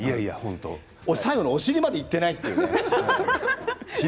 最後のお尻までいっていないというね。